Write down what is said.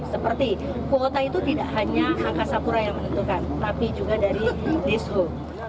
seperti kuota itu tidak hanya angkasa pura yang menentukan tapi juga dari dishub